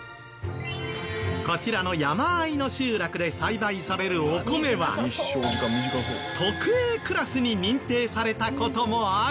こちらの山あいの集落で栽培されるお米は特Ａクラスに認定された事もあり。